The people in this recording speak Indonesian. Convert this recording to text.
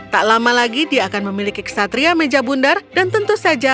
tak lama lagi dia akan memiliki ksatria meja bundar dan tentu saja ratu di hatinya ginevra